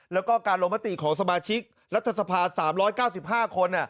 แล้วก็การโรงประติของสมาชิกรัฐศภาษณ์๓๙๕คน